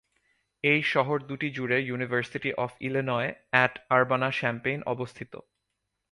এই শহর দুটি জুড়ে University of Illinois at Urbana Champaign অবস্থিত।